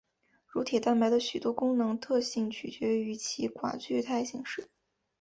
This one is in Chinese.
乳铁蛋白的许多功能特性取决于其寡聚态形式。